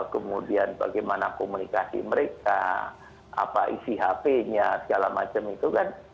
kemudian bagaimana komunikasi mereka apa isi hp nya segala macam itu kan